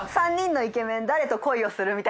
３人のイケメン誰と恋をする？